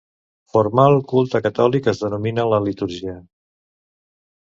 Formal culte catòlic es denomina la litúrgia.